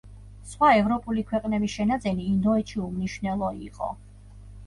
სხვა ევროპული ქვეყნების შენაძენი ინდოეთში უმნიშვნელო იყო.